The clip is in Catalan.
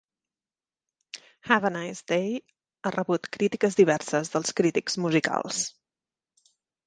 "Have a Nice Day" ha rebut crítiques diverses dels crítics musicals.